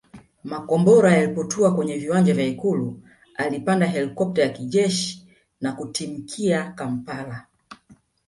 Makombora yalipotua kwenye viwanja vya Ikulu alipanda helikopta ya jeshi na kutimkia Kampala